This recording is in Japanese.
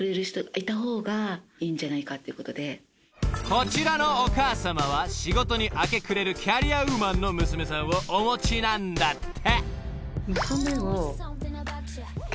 ［こちらのお母さまは仕事に明け暮れるキャリアウーマンの娘さんをお持ちなんだって］